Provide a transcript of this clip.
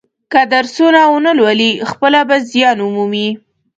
که درسونه و نه لولي خپله به زیان و مومي.